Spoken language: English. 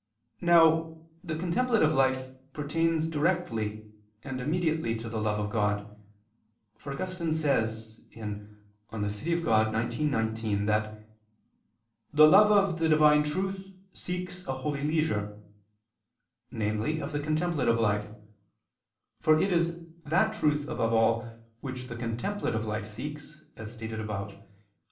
Now the contemplative life pertains directly and immediately to the love of God; for Augustine says (De Civ. Dei xix, 19) that "the love of" the Divine "truth seeks a holy leisure," namely of the contemplative life, for it is that truth above all which the contemplative life seeks, as stated above (Q.